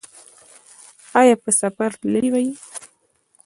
ایا په سفر تللي وئ؟